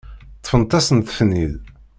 Ṭṭfent-asent-ten-id.